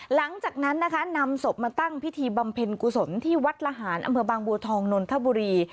หลังจากนั้นนะคะนำศพมาตั้งพิธีบำเพ็ญกุศลที่วัดละหารอำเภอบางบัวทองนนทบุรี